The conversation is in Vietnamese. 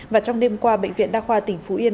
và trong đêm qua bệnh viện đa khoa tỉnh phú yên